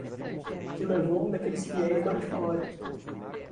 que levou um daqueles fiéis da última hora